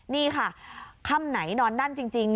นี่ค่ะค่ำไหนนอนนั่นจริง